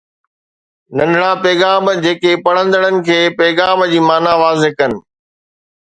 ننڍڙا پيغام جيڪي پڙهندڙ کي پيغام جي معنيٰ واضح ڪن